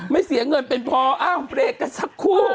เสียเงินเป็นพออ้าวเบรกกันสักครู่